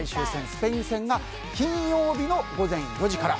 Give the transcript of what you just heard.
スペイン戦が金曜日の午前４時から。